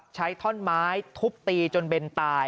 ใช้ท่อนไม้ถูบตีจนเบนตาย